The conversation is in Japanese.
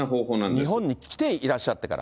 日本に来ていらっしゃってから？